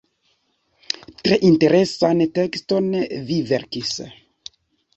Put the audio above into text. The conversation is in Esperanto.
Tre interesan tekston vi verkis.